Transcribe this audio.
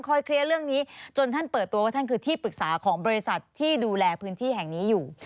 เคลียร์เรื่องนี้จนท่านเปิดตัวว่าท่านคือที่ปรึกษาของบริษัทที่ดูแลพื้นที่แห่งนี้อยู่